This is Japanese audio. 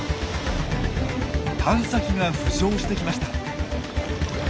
探査機が浮上してきました。